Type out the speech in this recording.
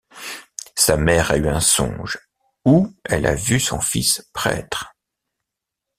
Sa mère a eu un songe où elle a vu son fils prêtre.